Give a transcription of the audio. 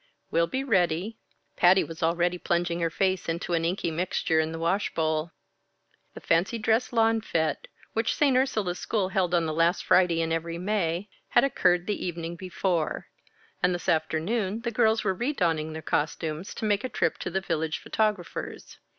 "We'll be ready!" Patty was already plunging her face into an inky mixture in the wash bowl. The fancy dress lawn fête, which St. Ursula's School held on the last Friday in every May, had occurred the evening before; and this afternoon the girls were redonning their costumes to make a trip to the village photographer's.